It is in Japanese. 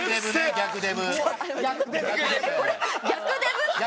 逆デブ。